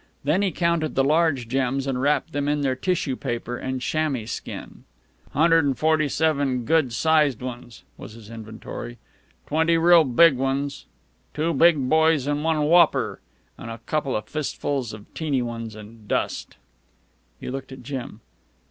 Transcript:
Then he counted the large gems and wrapped them in their tissue paper and chamois skin. "Hundred an' forty seven good sized ones," was his inventory; "twenty real big ones; two big boys and one whopper; an' a couple of fistfuls of teeny ones an' dust." He looked at Jim.